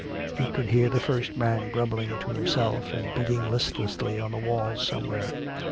He could hear the first man grumbling to himself, and beating listlessly on the walls somewhere.